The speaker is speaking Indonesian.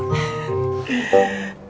masih ada kok